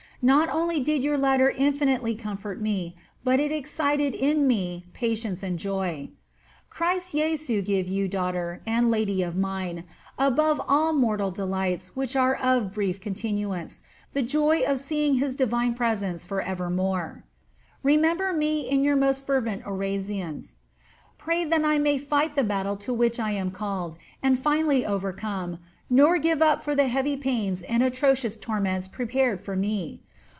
Not only did your letter infinitely oomlbrt me, but it excited in me patience and joy. Christ Jesu give yon, daughter and lady of mine, above all mortal delight* which are of brief continuance, the joy of seeing his divine presence for evermore. Remember me in your most fervent oraiaons, pray that I may fight the battle to which I am called, and finally overcome, nor give up fbr the heavy pains and atrocious torments prepared for me